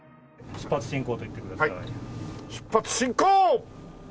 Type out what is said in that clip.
出発進行！